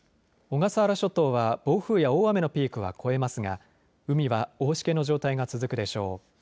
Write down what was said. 小笠原諸島は暴風や大雨のピークは越えますが海は大しけの状態が続くでしょう。